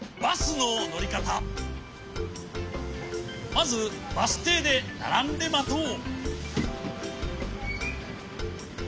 まずバスていでならんでまとう。